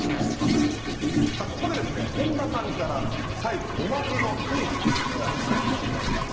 ここで本多さんからスタジオ最後おまけのクイズを出題したいと思います。